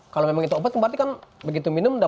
kalau memang itu obat berarti kan begitu minum